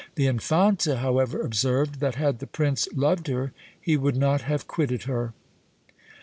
The Infanta however observed, that had the Prince loved her, he would not have quitted her."